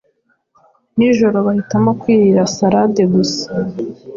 nijoro bahitamo kwirira salade gusa